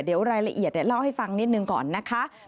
เดี๋ยวรายละเอียดเล่าให้ฟังนิดหนึ่งก่อนนะคะ